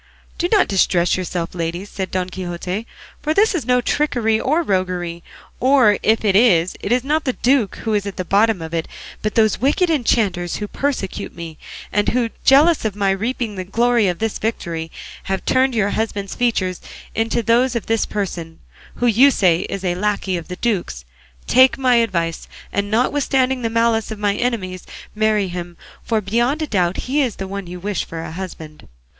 "Do not distress yourselves, ladies," said Don Quixote; "for this is no trickery or roguery; or if it is, it is not the duke who is at the bottom of it, but those wicked enchanters who persecute me, and who, jealous of my reaping the glory of this victory, have turned your husband's features into those of this person, who you say is a lacquey of the duke's; take my advice, and notwithstanding the malice of my enemies marry him, for beyond a doubt he is the one you wish for a husband."